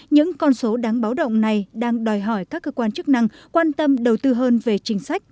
những con số đáng báo động này đang đòi hỏi các cơ quan chức năng quan tâm đầu tư hơn về chính sách